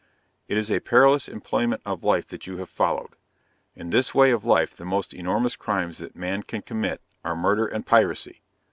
It is a perilous employment of life that you have followed; in this way of life the most enormous crimes that man can commit, are MURDER AND PIRACY.